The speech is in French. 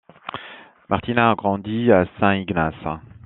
Martina a grandi à Saint-Ignace.